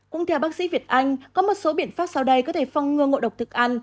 cũng theo bác sĩ việt anh có một số biện pháp sau đây có thể phong ngừa ngộ độc thực ăn